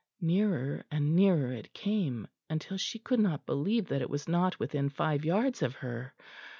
Nearer and nearer it came, until she could not believe that it was not within five yards of her.